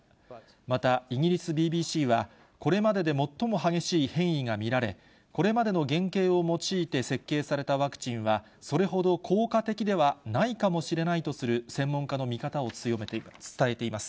また、イギリスＢＢＣは、これまでで最も激しい変異が見られ、これまでの原型を用いて設計されたワクチンは、それほど効果的ではないかもしれないとする、専門家の見方を伝えています。